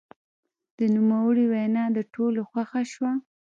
د نوموړي وینا د ټولو خوښه شوه.